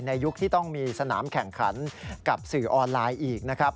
ยุคที่ต้องมีสนามแข่งขันกับสื่อออนไลน์อีกนะครับ